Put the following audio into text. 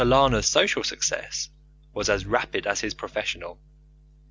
Lana's social success was as rapid as his professional.